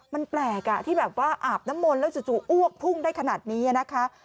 มันแปลกที่แบบว่าอาบน้ำมนต์แล้วจู่อ้วกพุ่งได้ขนาดนี้นะคะ